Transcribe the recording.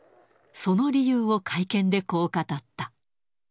その理由を会見で、こう語った。